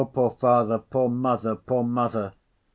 poor father! poor mother! poor mother!"